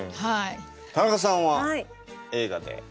田中さんは映画で。